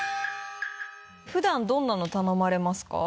普段どんなの頼まれますか？